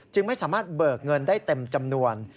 ไม่สามารถเบิกเงินได้เต็มจำนวน